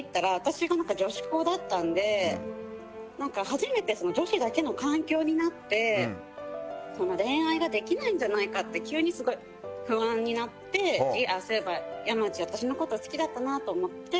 「初めて女子だけの環境になって恋愛ができないんじゃないかって急にすごい不安になってそういえばヤマジ私の事好きだったなと思って」